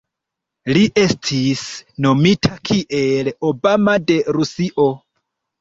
Li estis nomita kiel "Obama de Rusio".